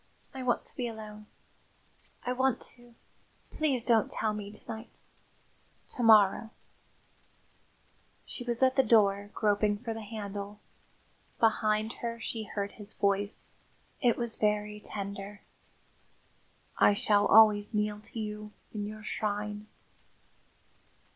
I want to be alone. I want to please don't tell me to night. To morrow " She was at the door, groping for the handle. Behind her she heard his voice; it was very tender. "I shall always kneel to you in your shrine."